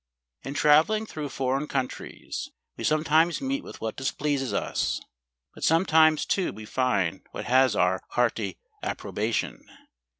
In travelling through foreign countries we sometimes meet with what displeases us, but sometimes too we find what has our hearty ap¬ probation.